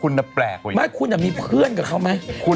แล้วจะดีไหม